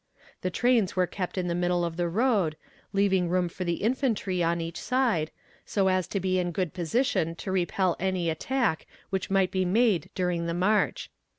The trains were kept in the middle of the road, leaving room for the infantry on each side, so as to be in good position to repel any attack which might be made during the march.